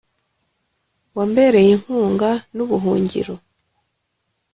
Wambereye inkunga n’ubuhungiro,